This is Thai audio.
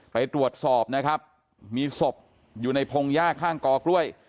ไปตรวจสอบนะครับมีศพอยู่ในพงหญ้าข้างกอกล้วย